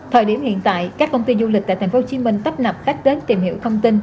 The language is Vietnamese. thời điểm hiện tại các công ty du lịch tại tp hcm tấp nập các tết tìm hiểu thông tin